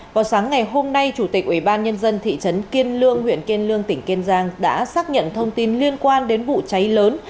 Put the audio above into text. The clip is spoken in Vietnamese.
vào sáng ngày hôm nay chủ tịch ủy ban nhân dân tp hcm đã xác nhận thông tin liên quan đến vụ cháy lớn